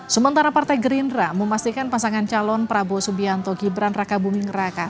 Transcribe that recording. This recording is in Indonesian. sementara partai gerindra memastikan pasangan calon prabowo subianto gibran raka buming raka